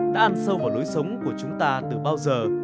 đã ăn sâu vào lối sống của chúng ta từ bao giờ